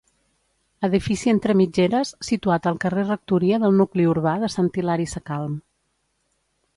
Edifici entre mitgeres, situat al carrer Rectoria del nucli urbà de Sant Hilari Sacalm.